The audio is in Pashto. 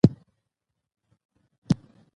طبیعي شتمنۍ باید په سمه توګه وکارول شي